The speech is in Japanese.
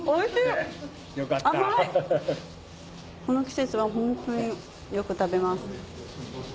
この季節はホントによく食べます。